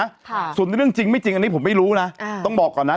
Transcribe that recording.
ค่ะส่วนเรื่องจริงไม่จริงอันนี้ผมไม่รู้นะอ่าต้องบอกก่อนนะ